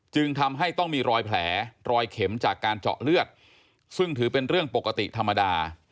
จึงทำให้ต้องมีรอยแผลรอยเข็มจากการเจาะเลือดซึ่งถือเป็นเรื่องปกติธรรมดา